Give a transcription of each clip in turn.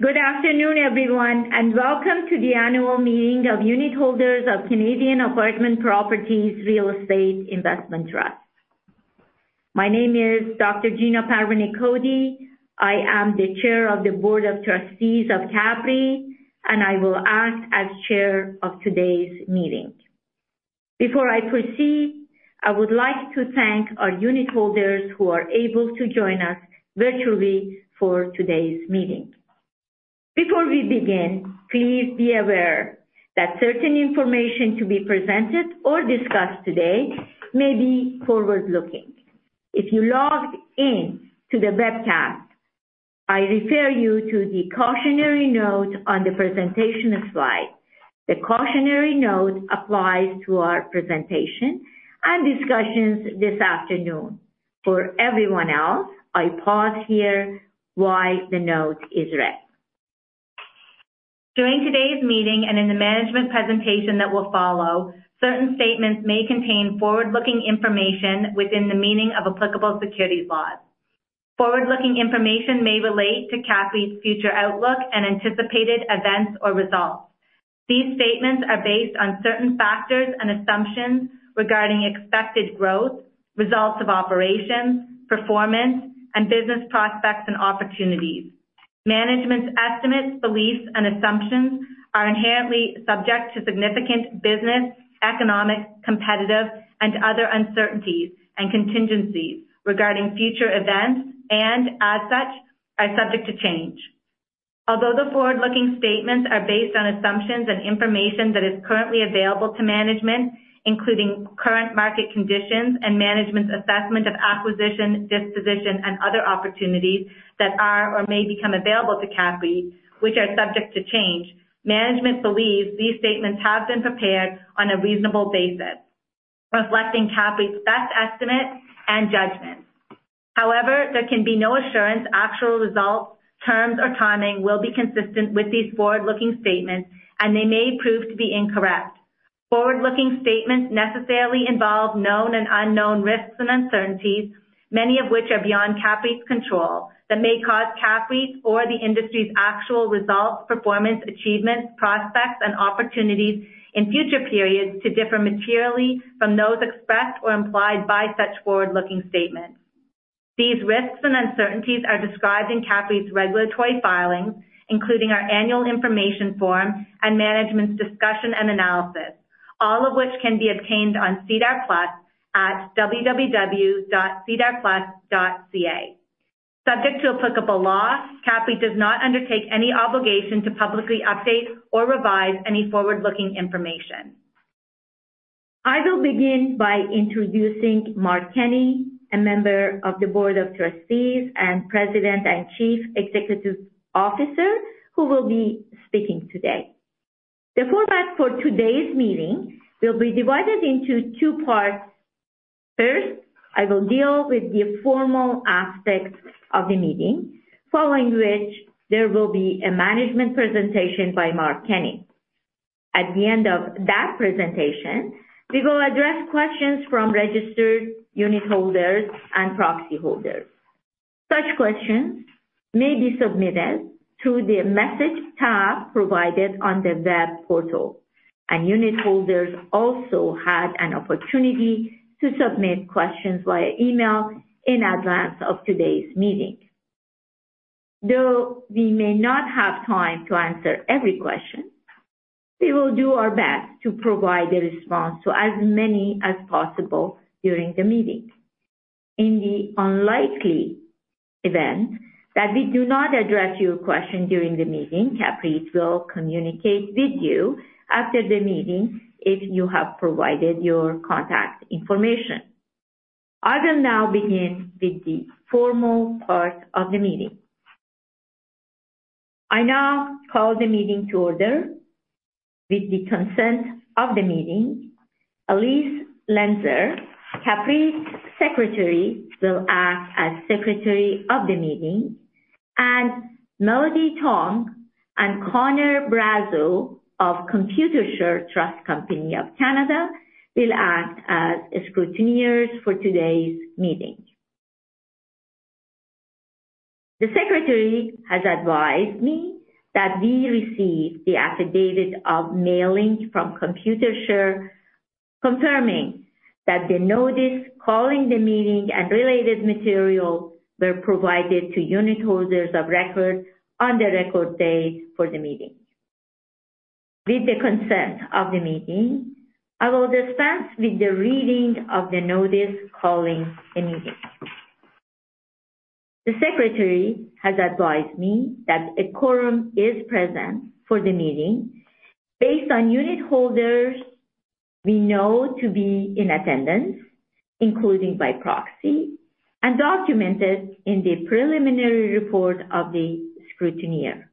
Good afternoon, everyone, and welcome to the annual meeting of unit holders of Canadian Apartment Properties Real Estate Investment Trust. My name is Dr. Gina Parvaneh Cody. I am the Chair of the Board of Trustees of CAPREIT, and I will act as Chair of today's meeting. Before I proceed, I would like to thank our unit holders who are able to join us virtually for today's meeting. Before we begin, please be aware that certain information to be presented or discussed today may be forward-looking. If you logged in to the webcast, I refer you to the cautionary note on the presentation slide. The cautionary note applies to our presentation and discussions this afternoon. For everyone else, I pause here while the note is read. During today's meeting and in the management presentation that will follow, certain statements may contain forward-looking information within the meaning of applicable securities laws. Forward-looking information may relate to CAPREIT's future outlook and anticipated events or results. These statements are based on certain factors and assumptions regarding expected growth, results of operations, performance, and business prospects and opportunities. Management's estimates, beliefs, and assumptions are inherently subject to significant business, economic, competitive, and other uncertainties and contingencies regarding future events and, as such, are subject to change. Although the forward-looking statements are based on assumptions and information that is currently available to management, including current market conditions and management's assessment of acquisition, disposition, and other opportunities that are or may become available to CAPREIT, which are subject to change, management believes these statements have been prepared on a reasonable basis, reflecting CAPREIT's best estimate and judgment. However, there can be no assurance actual results, terms, or timing will be consistent with these forward-looking statements, and they may prove to be incorrect. Forward-looking statements necessarily involve known and unknown risks and uncertainties, many of which are beyond CAPREIT's control, that may cause CAPREIT's or the industry's actual results, performance, achievements, prospects, and opportunities in future periods to differ materially from those expressed or implied by such forward-looking statements. These risks and uncertainties are described in CAPREIT's regulatory filings, including our annual information form and management's discussion and analysis, all of which can be obtained on SEDAR+ at www.sedarplus.ca. Subject to applicable law, CAPREIT does not undertake any obligation to publicly update or revise any forward-looking information. I will begin by introducing Mark Kenney, a member of the Board of Trustees and President and Chief Executive Officer, who will be speaking today. The format for today's meeting will be divided into two parts. First, I will deal with the formal aspects of the meeting, following which there will be a management presentation by Mark Kenney. At the end of that presentation, we will address questions from registered unit holders and proxy holders. Such questions may be submitted through the Message tab provided on the web portal, and unit holders also had an opportunity to submit questions via email in advance of today's meeting. Though we may not have time to answer every question, we will do our best to provide a response to as many as possible during the meeting. In the unlikely event that we do not address your question during the meeting, CAPREIT will communicate with you after the meeting if you have provided your contact information. I will now begin with the formal part of the meeting. I now call the meeting to order. With the consent of the meeting, Elise Lenser, CAPREIT's secretary, will act as secretary of the meeting, and Melody Tong and Connor Brazzo of Computershare Trust Company of Canada will act as scrutineers for today's meeting. The secretary has advised me that we receive the affidavit of mailing from Computershare, confirming that the notice calling the meeting and related material were provided to unit holders of record on the record date for the meeting. With the consent of the meeting, I will dispense with the reading of the notice calling the meeting. The secretary has advised me that a quorum is present for the meeting. Based on unit holders we know to be in attendance, including by proxy, and documented in the preliminary report of the scrutineer,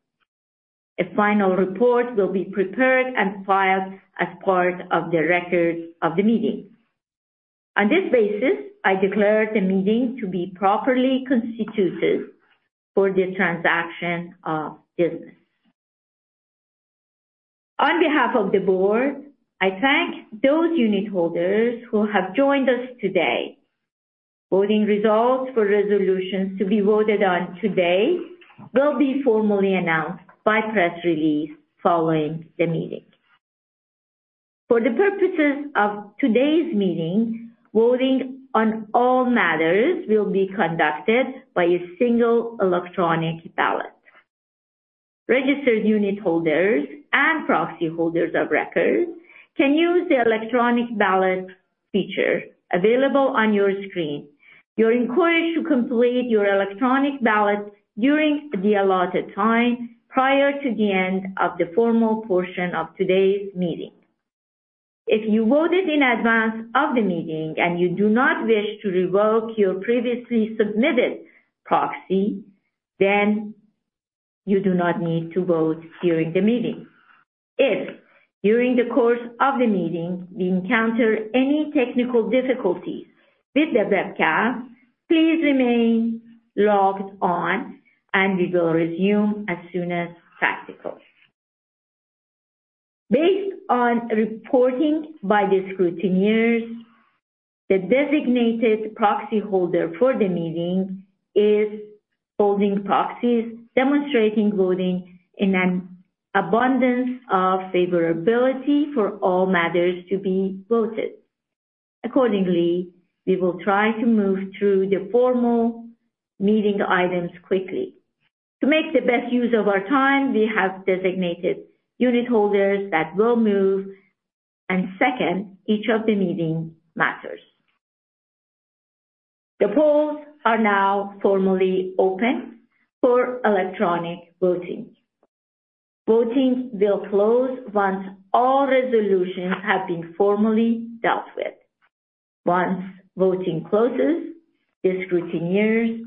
a final report will be prepared and filed as part of the records of the meeting. On this basis, I declare the meeting to be properly constituted for the transaction of business. On behalf of the board, I thank those unit holders who have joined us today. Voting results for resolutions to be voted on today will be formally announced by press release following the meeting. For the purposes of today's meeting, voting on all matters will be conducted by a single electronic ballot. Registered unit holders and proxy holders of record can use the electronic ballot feature available on your screen. You're encouraged to complete your electronic ballot during the allotted time prior to the end of the formal portion of today's meeting. If you voted in advance of the meeting and you do not wish to revoke your previously submitted proxy, then you do not need to vote during the meeting. If during the course of the meeting we encounter any technical difficulties with the webcast, please remain logged on, and we will resume as soon as practical. Based on reporting by the scrutineers, the designated proxy holder for the meeting is holding proxies demonstrating voting in an abundance of favorability for all matters to be voted. Accordingly, we will try to move through the formal meeting items quickly. To make the best use of our time, we have designated unit holders that will move and second each of the meeting matters. The polls are now formally open for electronic voting. Voting will close once all resolutions have been formally dealt with. Once voting closes, the scrutineers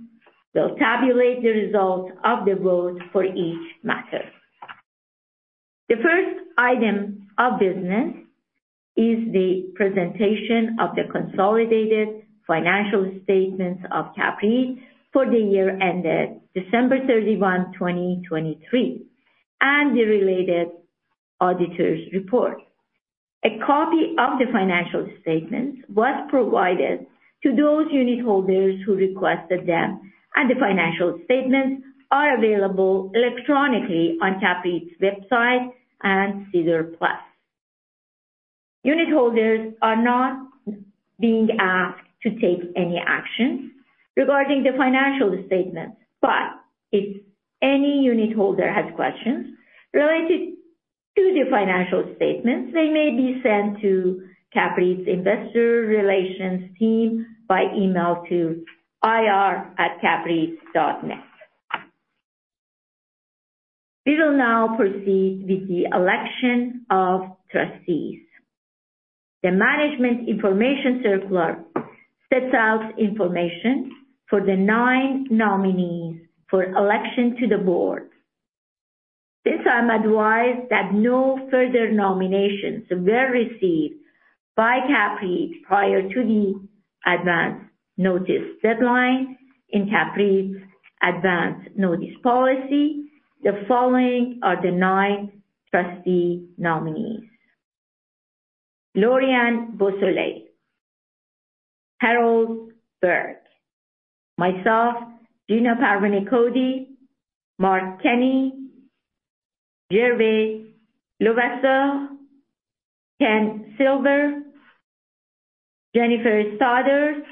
will tabulate the results of the vote for each matter. The first item of business is the presentation of the consolidated financial statements of CAPREIT for the year ended December 31, 2023, and the related auditor's report. A copy of the financial statements was provided to those unit holders who requested them, and the financial statements are available electronically on CAPREIT's website and SEDAR+. Unit holders are not being asked to take any actions regarding the financial statements, but if any unit holder has questions related to the financial statements, they may be sent to CAPREIT's investor relations team by email to ir@capreit.ca. We will now proceed with the election of trustees. The management information circular sets out information for the nine nominees for election to the board. Since I'm advised that no further nominations were received by CAPREIT prior to the advance notice deadline in CAPREIT's advance notice policy, the following are the nine trustee nominees: Lori-Ann Beausoleil, Harold Burke, myself, Gina Parvaneh Cody, Mark Kenney, Gervais Levasseur, Ken Silver, Jennifer Stoddart,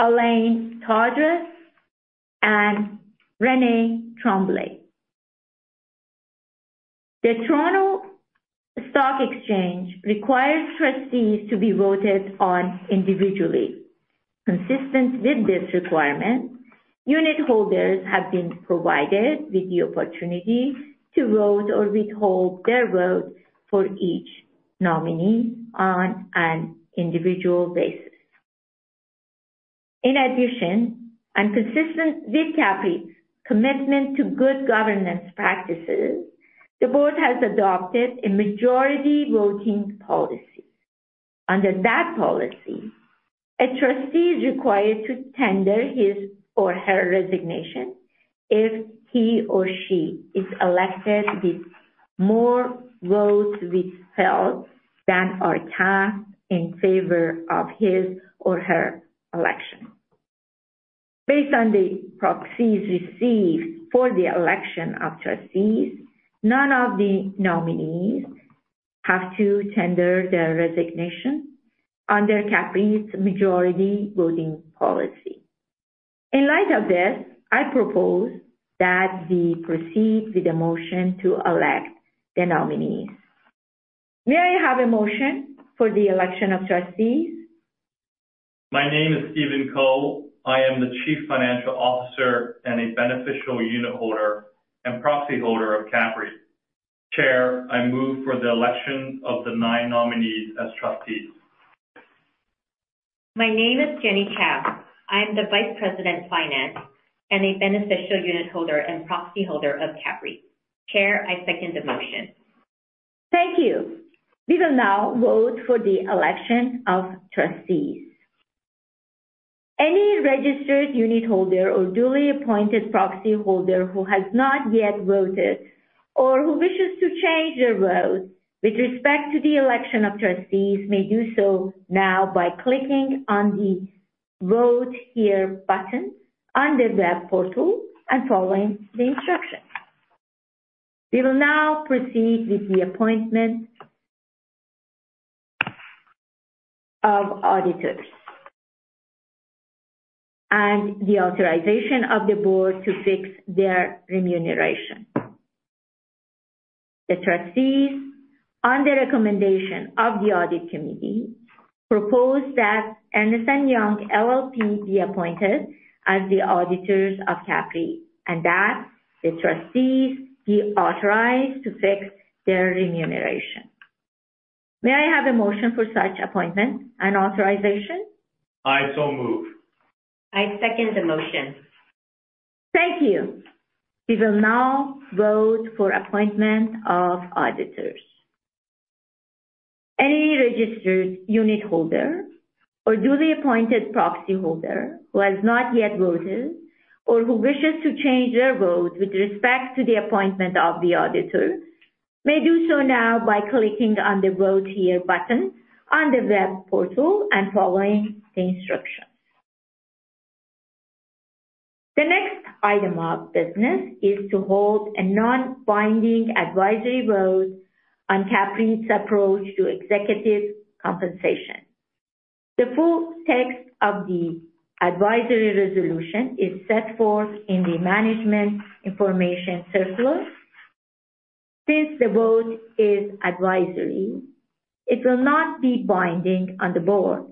Elaine Todres, and René Tremblay. The Toronto Stock Exchange requires trustees to be voted on individually. Consistent with this requirement, unit holders have been provided with the opportunity to vote or withhold their vote for each nominee on an individual basis. In addition, and consistent with CAPREIT's commitment to good governance practices, the board has adopted a majority voting policy. Under that policy, a trustee is required to tender his or her resignation if he or she is elected with more votes withheld than are cast in favor of his or her election. Based on the proxies received for the election of trustees, none of the nominees have to tender their resignation under CAPREIT's majority voting policy. In light of this, I propose that we proceed with a motion to elect the nominees. May I have a motion for the election of trustees? My name is Stephen Co. I am the Chief Financial Officer and a beneficial unit holder and proxy holder of CAPREIT. Chair, I move for the election of the nine nominees as trustees. My name is Jenny Chou. I'm the Vice President, Finance and a beneficial unit holder and proxy holder of CAPREIT. Chair, I second the motion. Thank you. We will now vote for the election of trustees. Any registered unit holder or duly appointed proxy holder who has not yet voted or who wishes to change their vote with respect to the election of trustees may do so now by clicking on the Vote Here button on the web portal and following the instructions. We will now proceed with the appointment of auditors and the authorization of the board to fix their remuneration. The trustees, on the recommendation of the audit committee, propose that Ernst & Young LLP be appointed as the auditors of CAPREIT and that the trustees be authorized to fix their remuneration. May I have a motion for such appointment and authorization? I so move. I second the motion. Thank you. We will now vote for appointment of auditors. Any registered unit holder or duly appointed proxy holder who has not yet voted or who wishes to change their vote with respect to the appointment of the auditor may do so now by clicking on the Vote Here button on the web portal and following the instructions. The next item of business is to hold a non-binding advisory vote on CAPREIT's approach to executive compensation. The full text of the advisory resolution is set forth in the management information circular. Since the vote is advisory, it will not be binding on the board,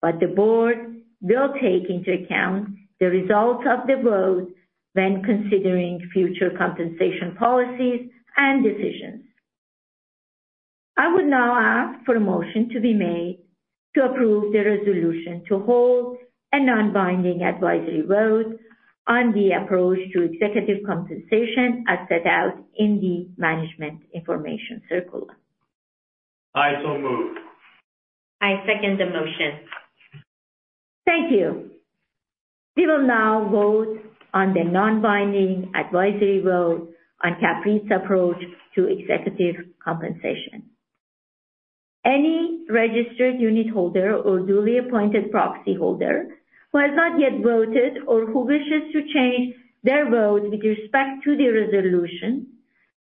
but the board will take into account the results of the vote when considering future compensation policies and decisions. I would now ask for a motion to be made to approve the resolution to hold a non-binding advisory vote on the approach to executive compensation as set out in the management information circular. I so move. I second the motion. Thank you. We will now vote on the non-binding advisory vote on CAPREIT's approach to executive compensation. Any registered unit holder or duly appointed proxy holder who has not yet voted or who wishes to change their vote with respect to the resolution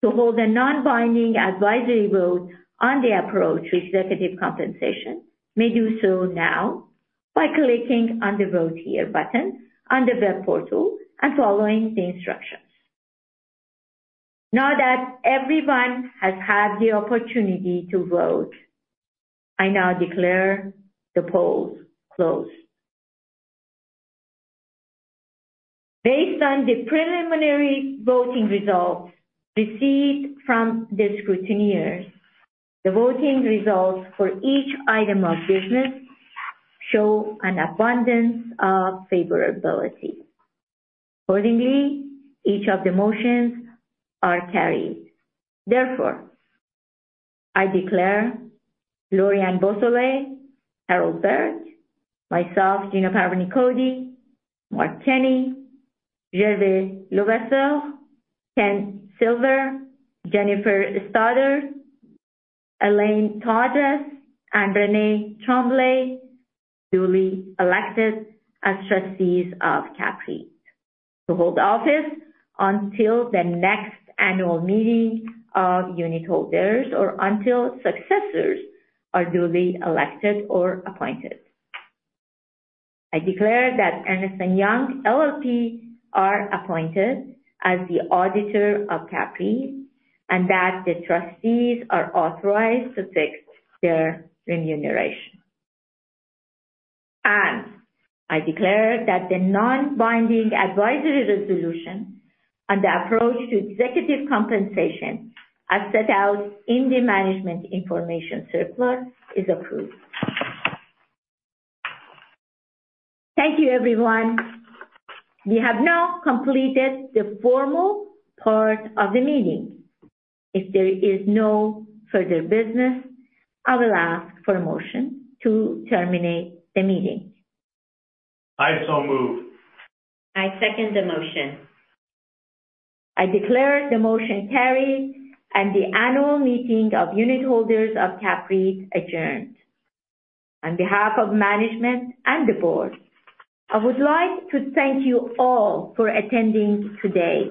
to hold a non-binding advisory vote on the approach to executive compensation may do so now by clicking on the Vote Here button on the web portal and following the instructions. Now that everyone has had the opportunity to vote, I now declare the polls closed. Based on the preliminary voting results received from the scrutineers, the voting results for each item of business show an abundance of favorability. Accordingly, each of the motions are carried. Therefore, I declare Lorianne Beaulieu, Harold Burke, myself, Gina Parvaneh Cody, Mark Kenney, Gervais Levasseur, Ken Silver, Jennifer Stoddart, Elaine Todres, and René Tremblay, duly elected as trustees of CAPREIT to hold office until the next annual meeting of unit holders or until successors are duly elected or appointed. I declare that Ernst & Young LLP are appointed as the auditor of CAPREIT and that the trustees are authorized to fix their remuneration. I declare that the non-binding advisory resolution on the approach to executive compensation as set out in the management information circular is approved. Thank you, everyone. We have now completed the formal part of the meeting. If there is no further business, I will ask for a motion to terminate the meeting. I so move. I second the motion. I declare the motion carried and the annual meeting of unit holders of CAPREIT adjourned. On behalf of management and the board, I would like to thank you all for attending today.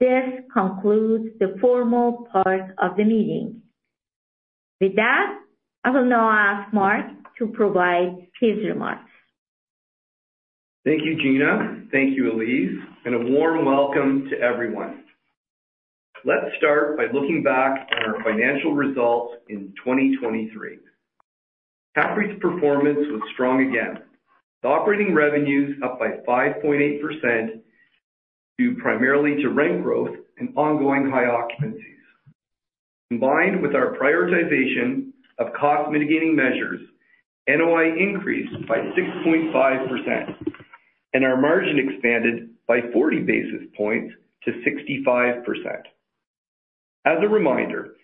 This concludes the formal part of the meeting. With that, I will now ask Mark to provide his remarks. Thank you, Gina. Thank you, Elise. A warm welcome to everyone. Let's start by looking back on our financial results in 2023. CAPREIT's performance was strong again. The operating revenues up by 5.8% due primarily to rent growth and ongoing high occupancies. Combined with our prioritization of cost mitigating measures, NOI increased by 6.5%, and our margin expanded by 40 basis points to 65%. As a reminder,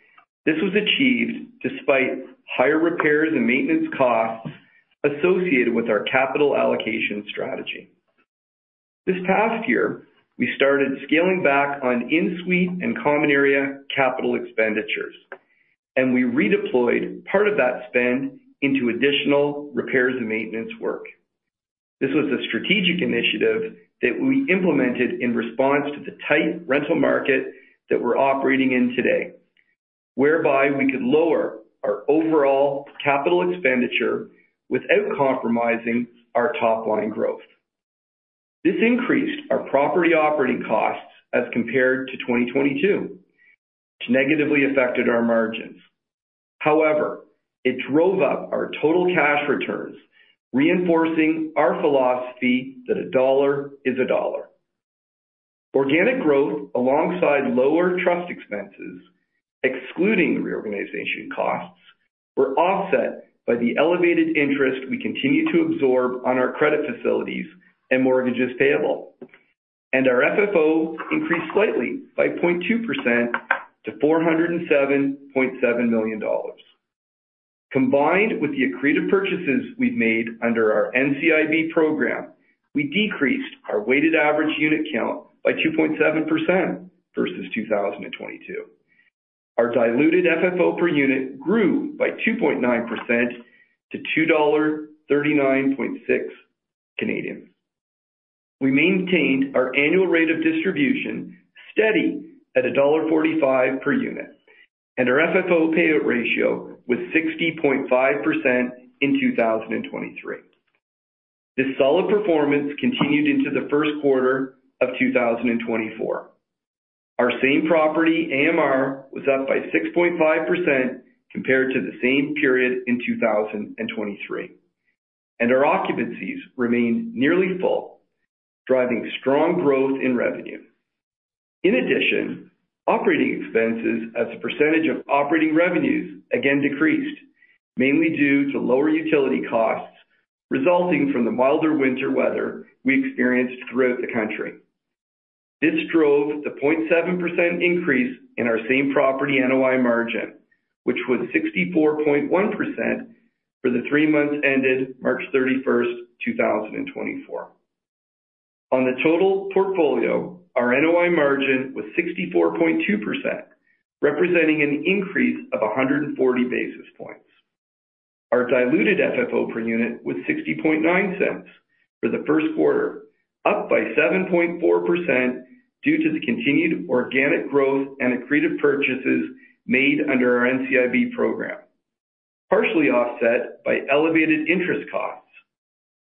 this was achieved despite higher repairs and maintenance costs associated with our capital allocation strategy. This past year, we started scaling back on in-suite and common area capital expenditures, and we redeployed part of that spend into additional repairs and maintenance work. This was a strategic initiative that we implemented in response to the tight rental market that we're operating in today, whereby we could lower our overall capital expenditure without compromising our top line growth. This increased our property operating costs as compared to 2022, which negatively affected our margins. However, it drove up our total cash returns, reinforcing our philosophy that a dollar is a dollar. Organic growth alongside lower trust expenses, excluding reorganization costs, were offset by the elevated interest we continue to absorb on our credit facilities and mortgages payable. Our FFO increased slightly by 0.2% to 407.7 million dollars. Combined with the accretive purchases we've made under our NCIB program, we decreased our weighted average unit count by 2.7% versus 2022. Our diluted FFO per unit grew by 2.9% to CAD 2.396. We maintained our annual rate of distribution steady at dollar 1.45 per unit, and our FFO payout ratio was 60.5% in 2023. This solid performance continued into the Q1 of 2024. Our same property, AMR, was up by 6.5% compared to the same period in 2023. Our occupancies remained nearly full, driving strong growth in revenue. In addition, operating expenses as a percentage of operating revenues again decreased, mainly due to lower utility costs resulting from the milder winter weather we experienced throughout the country. This drove the 0.7% increase in our same property NOI margin, which was 64.1% for the three months ended March 31st, 2024. On the total portfolio, our NOI margin was 64.2%, representing an increase of 140 basis points. Our diluted FFO per unit was 0.609 for the Q1, up by 7.4% due to the continued organic growth and accretive purchases made under our NCIB program, partially offset by elevated interest costs,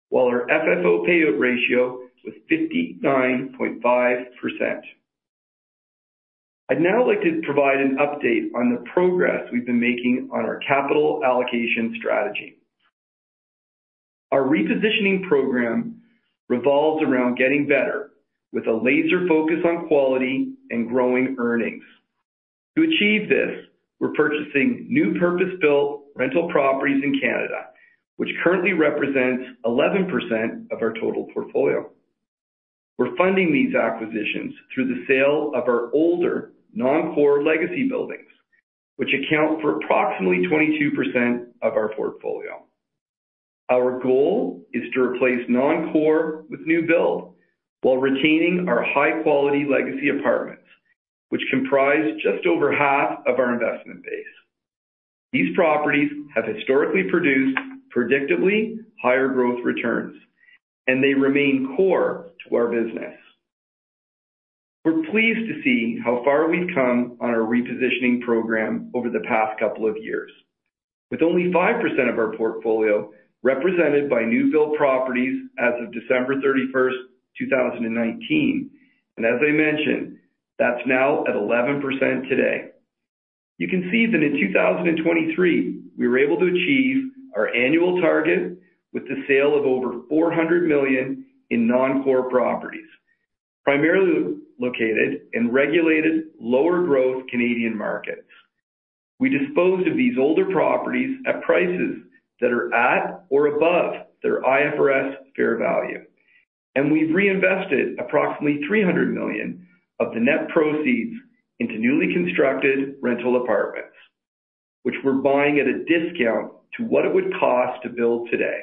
while our FFO payout ratio was 59.5%. I'd now like to provide an update on the progress we've been making on our capital allocation strategy. Our repositioning program revolves around getting better with a laser focus on quality and growing earnings. To achieve this, we're purchasing new purpose-built rental properties in Canada, which currently represents 11% of our total portfolio. We're funding these acquisitions through the sale of our older non-core legacy buildings, which account for approximately 22% of our portfolio. Our goal is to replace non-core with new build while retaining our high-quality legacy apartments, which comprise just over half of our investment base. These properties have historically produced predictably higher growth returns, and they remain core to our business. We're pleased to see how far we've come on our repositioning program over the past couple of years, with only 5% of our portfolio represented by new build properties as of December 31st, 2019. As I mentioned, that's now at 11% today. You can see that in 2023, we were able to achieve our annual target with the sale of over 400 million in non-core properties, primarily located in regulated lower growth Canadian markets. We disposed of these older properties at prices that are at or above their IFRS fair value. We've reinvested approximately 300 million of the net proceeds into newly constructed rental apartments, which we're buying at a discount to what it would cost to build today.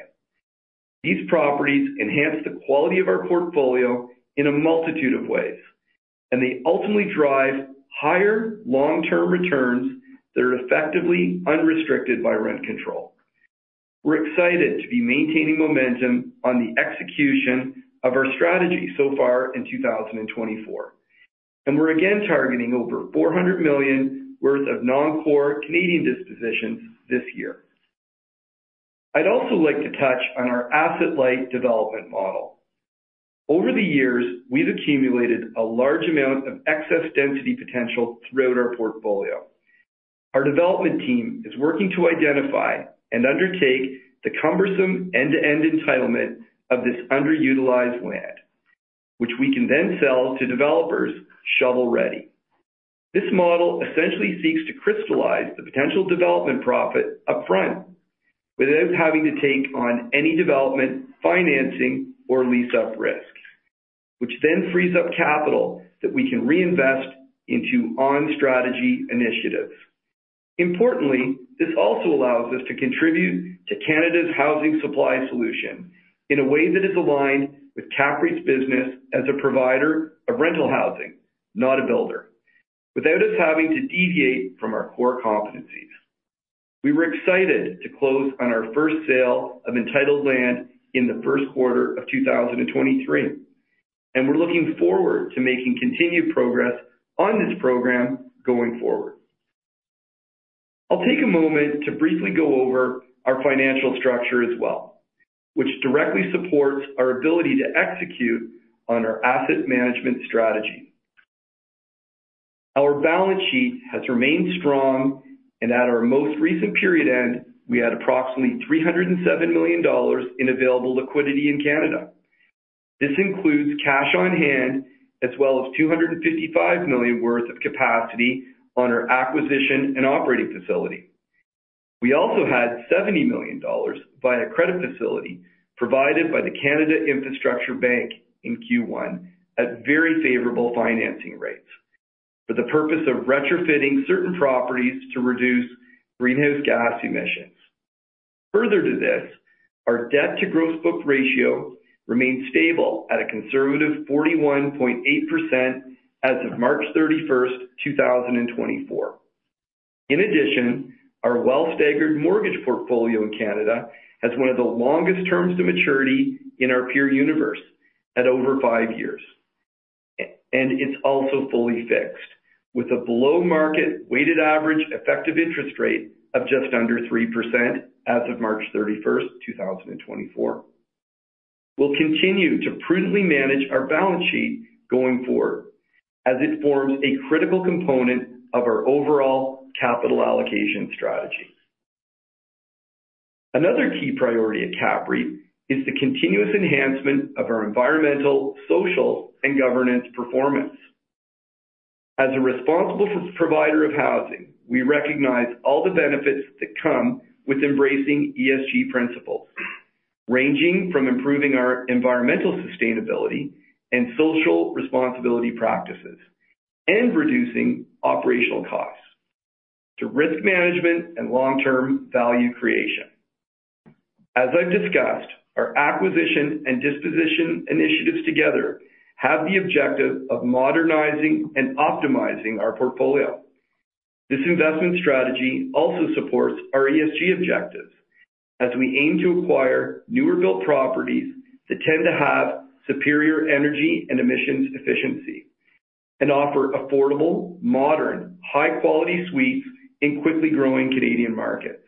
These properties enhance the quality of our portfolio in a multitude of ways, and they ultimately drive higher long-term returns that are effectively unrestricted by rent control. We're excited to be maintaining momentum on the execution of our strategy so far in 2024. We're again targeting over 400 million worth of non-core Canadian dispositions this year. I'd also like to touch on our asset-light development model. Over the years, we've accumulated a large amount of excess density potential throughout our portfolio. Our development team is working to identify and undertake the cumbersome end-to-end entitlement of this underutilized land, which we can then sell to developers shovel ready. This model essentially seeks to crystallize the potential development profit upfront without having to take on any development, financing, or lease-up risk, which then frees up capital that we can reinvest into on-strategy initiatives. Importantly, this also allows us to contribute to Canada's housing supply solution in a way that is aligned with CAPREIT's business as a provider of rental housing, not a builder, without us having to deviate from our core competencies. We were excited to close on our first sale of entitled land in the Q1 of 2023, and we're looking forward to making continued progress on this program going forward. I'll take a moment to briefly go over our financial structure as well, which directly supports our ability to execute on our asset management strategy. Our balance sheet has remained strong, and at our most recent period end, we had approximately 307 million dollars in available liquidity in Canada. This includes cash on hand as well as 255 million worth of capacity on our acquisition and operating facility. We also had 70 million dollars via credit facility provided by the Canada Infrastructure Bank in Q1 at very favorable financing rates for the purpose of retrofitting certain properties to reduce greenhouse gas emissions. Further to this, our debt-to-gross book ratio remained stable at a conservative 41.8% as of March 31st, 2024. In addition, our well-staggered mortgage portfolio in Canada has one of the longest terms to maturity in our peer universe at over five years. It's also fully fixed with a below-market weighted average effective interest rate of just under 3% as of March 31st, 2024. We'll continue to prudently manage our balance sheet going forward as it forms a critical component of our overall capital allocation strategy. Another key priority at CAPREIT is the continuous enhancement of our environmental, social, and governance performance. As a responsible provider of housing, we recognize all the benefits that come with embracing ESG principles, ranging from improving our environmental sustainability and social responsibility practices and reducing operational costs to risk management and long-term value creation. As I've discussed, our acquisition and disposition initiatives together have the objective of modernizing and optimizing our portfolio. This investment strategy also supports our ESG objectives as we aim to acquire newer built properties that tend to have superior energy and emissions efficiency and offer affordable, modern, high-quality suites in quickly growing Canadian markets.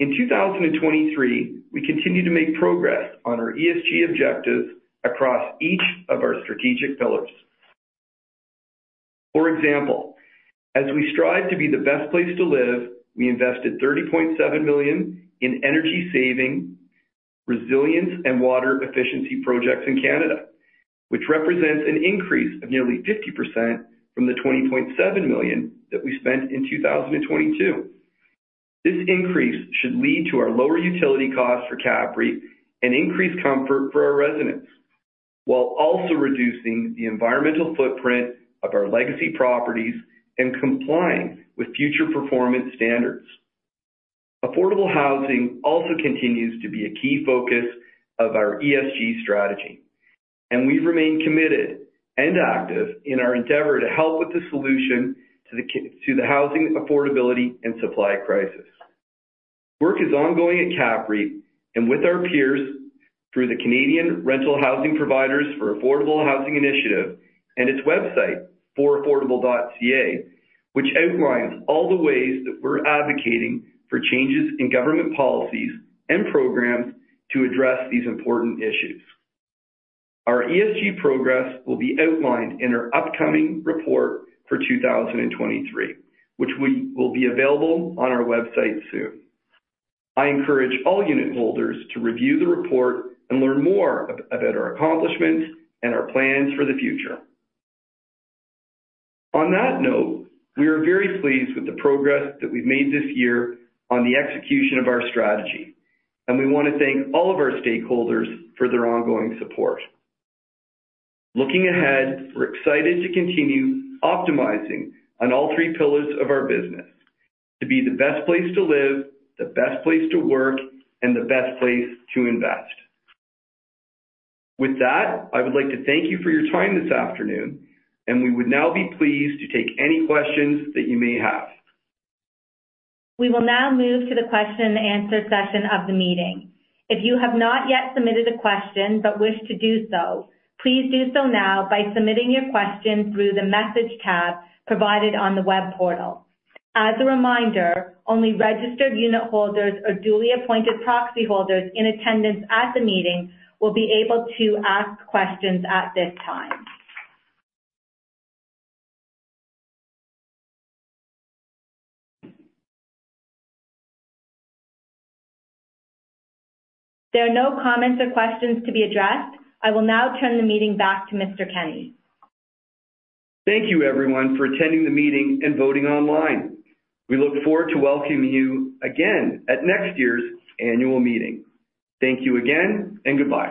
In 2023, we continue to make progress on our ESG objectives across each of our strategic pillars. For example, as we strive to be the best place to live, we invested 30.7 million in energy-saving, resilience, and water efficiency projects in Canada, which represents an increase of nearly 50% from the 20.7 million that we spent in 2022. This increase should lead to our lower utility costs for CAPREIT and increased comfort for our residents, while also reducing the environmental footprint of our legacy properties and complying with future performance standards. Affordable housing also continues to be a key focus of our ESG strategy, and we remain committed and active in our endeavor to help with the solution to the housing affordability and supply crisis. Work is ongoing at CAPREIT and with our peers through the Canadian Rental Housing Providers for Affordable Housing Initiative and its website, foraffordable.ca, which outlines all the ways that we're advocating for changes in government policies and programs to address these important issues. Our ESG progress will be outlined in our upcoming report for 2023, which will be available on our website soon. I encourage all unit holders to review the report and learn more about our accomplishments and our plans for the future. On that note, we are very pleased with the progress that we've made this year on the execution of our strategy, and we want to thank all of our stakeholders for their ongoing support. Looking ahead, we're excited to continue optimizing on all three pillars of our business to be the best place to live, the best place to work, and the best place to invest. With that, I would like to thank you for your time this afternoon, and we would now be pleased to take any questions that you may have. We will now move to the question-and-answer session of the meeting. If you have not yet submitted a question but wish to do so, please do so now by submitting your question through the message tab provided on the web portal. As a reminder, only registered unit holders or duly appointed proxy holders in attendance at the meeting will be able to ask questions at this time. There are no comments or questions to be addressed. I will now turn the meeting back to Mr. Kenney. Thank you, everyone, for attending the meeting and voting online. We look forward to welcoming you again at next year's annual meeting. Thank you again, and goodbye.